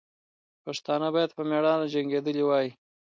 پښتانه باید په میړانه جنګېدلي وای.